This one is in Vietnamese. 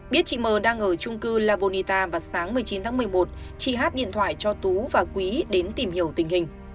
biết chị m đang ở chung cư la bonita và sáng một mươi chín tháng một mươi một chị hát điện thoại cho tú và quý đến tìm hiểu tình hình